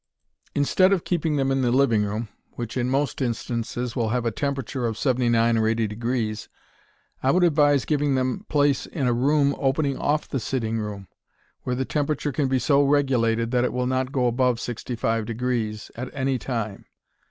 Instead of keeping them in the living room which in most instances will have a temperature of 79 or 80° I would advise giving them place in a room opening off the sitting room, where the temperature can be so regulated that it will not go above 65° at any time.